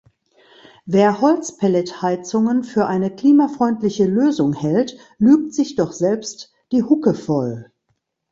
Wer Holzpelletheizungen für eine klimafreundliche Lösung hält, lügt sich doch selbst die Hucke voll!